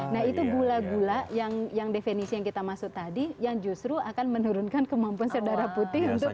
nah itu gula gula yang definisi yang kita masuk tadi yang justru akan menurunkan kemampuan saudara putih untuk